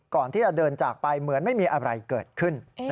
ก่อนที่จะเดินจากไปเหมือนไม่มีอะไรเกิดขึ้น